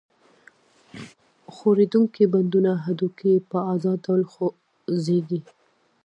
ښورېدونکي بندونه هډوکي یې په آزاد ډول خوځېږي.